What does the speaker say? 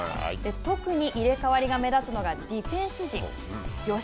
特に入れ替わりが目立つのが、ディフェンス陣。